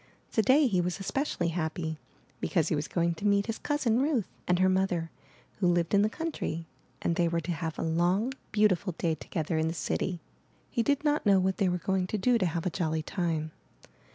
Today he was especially happy because he was going to meet his cousin, Ruth, and her mother, who lived in the country, and they were to have a long, beautiful day together in the city. He did not know what they were going to do to have a jolly time.